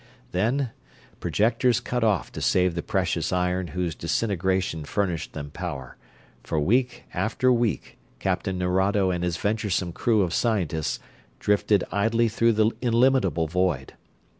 Then, projectors cut off to save the precious iron whose disintegration furnished them power, for week after week Captain Nerado and his venturesome crew of scientists drifted idly through the illimitable void.